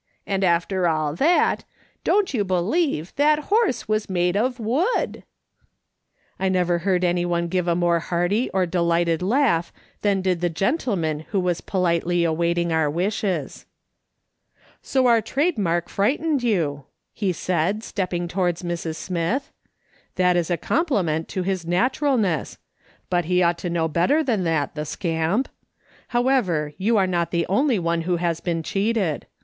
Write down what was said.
And after all that, don't you believe that horse was made of wood !" I never heard anyone give a more hearty or delighted laugh than did the gentleman who was politely awaiting our wishes. " So our trade mark frightened you," he said, step ping towards Mrs. Smith. " That is a compliment to his naturalness ; but he ought to know better than that, the scamp ! However, you are not the only one who has been cheated.